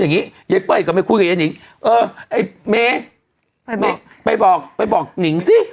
อย่างนี้ยายเป้ยก็ไม่คุยกับยายนิงเออไอ้เมไปบอกไปบอกหนิงสิ